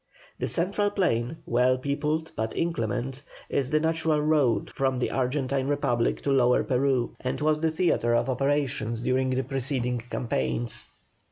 The central plain, well peopled but inclement, is the natural road from the Argentine Republic to Lower Peru, and was the theatre of operations during the preceding campaigns.